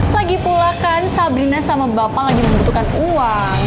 lagi pula kan sabrina sama bapak lagi membutuhkan uang